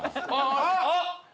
あっ！